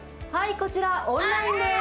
こちら、オンラインです。